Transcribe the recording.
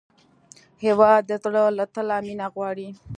هېواد د زړه له تله مینه غواړي.